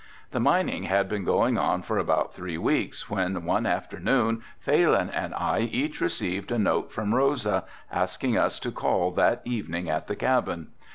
The mining had been going on for about three weeks when one afternoon Phalin and I each received a note from Rosa asking us to call that evening at the cabin.